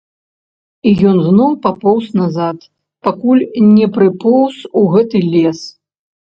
І ён зноў папоўз назад, пакуль не прыпоўз у гэты лес.